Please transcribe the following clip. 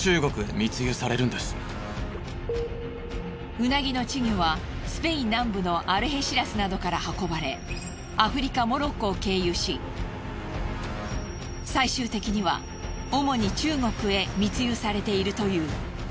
ウナギの稚魚はスペイン南部のアルヘシラスなどから運ばれアフリカモロッコを経由し最終的には主に中国へ密輸されているという。